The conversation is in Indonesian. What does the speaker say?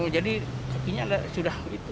jadi kakinya sudah nah di situ